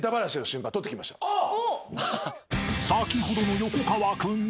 ［先ほどの横川君に］